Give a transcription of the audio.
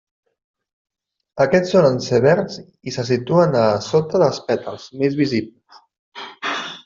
Aquests solen ser verds i se situen a sota dels pètals, més visibles.